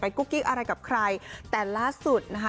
กุ๊กกิ๊กอะไรกับใครแต่ล่าสุดนะคะ